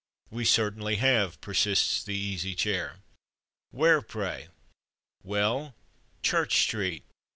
"We certainly have," persists the Easy Chair. "Where, pray?" "Well, Church Street."